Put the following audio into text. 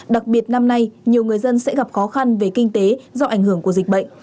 đặc biệt năm nay nhiều người dân sẽ gặp khó khăn về kinh tế do ảnh hưởng của dịch bệnh